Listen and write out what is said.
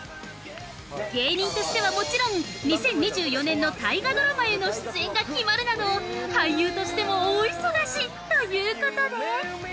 芸人としてはもちろん、２０２４年の大河ドラマへの出演が決まるなど俳優としても大忙しということで。